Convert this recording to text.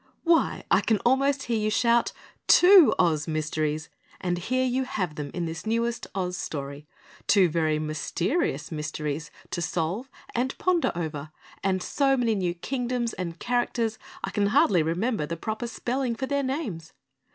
"Why," I can almost hear you shout, "Two Oz mysteries." And here you have them in this newest Oz story, two very mysterious mysteries to solve and ponder over and so many new Kingdoms and characters, I can hardly remember the proper spelling for their names.